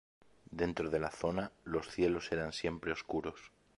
Dentro de la zona, los cielos eran siempre oscuros.